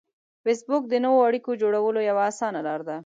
فېسبوک د نوو اړیکو جوړولو یوه اسانه لار ده